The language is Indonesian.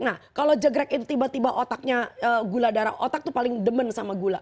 nah kalau jegrek itu tiba tiba otaknya gula darah otak itu paling demen sama gula